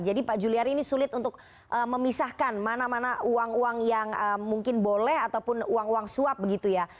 jadi pak juliari ini sulit untuk memisahkan mana mana uang uang yang mungkin boleh ataupun uang uang suap begitu ya